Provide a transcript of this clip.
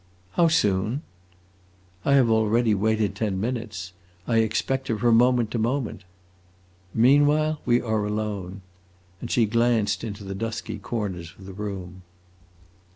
"How soon?" "I have already waited ten minutes; I expect her from moment to moment." "Meanwhile we are alone?" And she glanced into the dusky corners of the room.